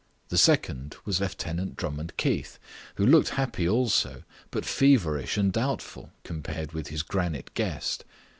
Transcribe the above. The second was Lieutenant Drummond Keith, who looked happy also, but feverish and doubtful compared with his granite guest.